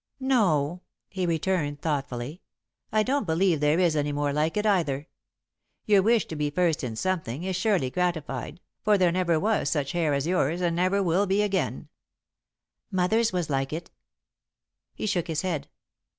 "No," he returned, thoughtfully, "I don't believe there is any more like it, either. Your wish to be first in something is surely gratified, for there never was such hair as yours and never will be again." [Sidenote: Red Hair and Auburn] "Mother's was like it." He shook his head.